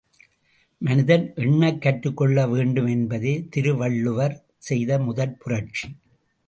மனிதன் எண்னக் கற்றுக்கொள்ளவேண்டும் என்பதே திருவள்ளுவர் செய்த முதற் புரட்சி.